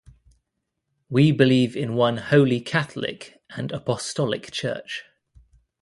We believe in one holy catholic and apostolic Church.